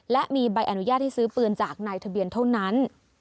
และมีใบอนุญาตให้ซื้อปืนจากนายทะเบียนเท่านั้น